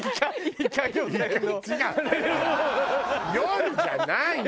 夜じゃないの！